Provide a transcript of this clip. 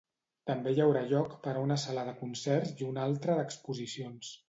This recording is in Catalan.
També hi haurà lloc per a una sala de concerts i una altra d'exposicions.